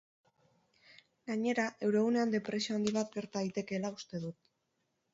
Gainera, eurogunean depresio handi bat gerta daitekeela uste du.